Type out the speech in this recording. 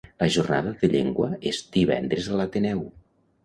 La jornada de llengua és divendres a l'Ateneu.